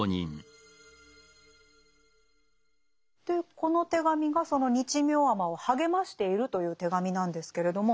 でこの手紙がその日妙尼を励ましているという手紙なんですけれども。